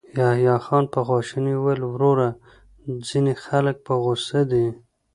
يحيی خان په خواشينۍ وويل: وروره، ځينې خلک په غوسه دي.